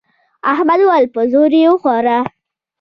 احمد وويل: په زور یې وخوره.